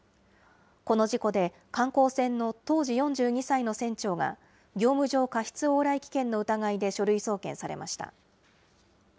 この事故で観光船の当時４２歳の船長が業務上過失往来危険の疑いで書類送検されました。